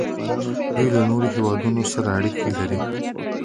دوی له نورو هیوادونو سره اړیکې لري.